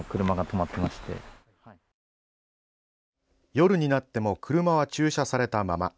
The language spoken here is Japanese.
夜になっても車は駐車されたまま。